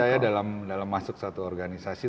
saya dalam masuk satu organisasi